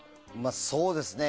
そうですね。